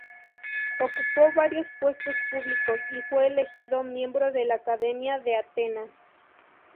Ocupó varios puestos públicos y fue elegido miembro de la Academia de Atenas.